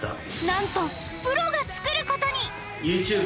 なんとプロが作ることに！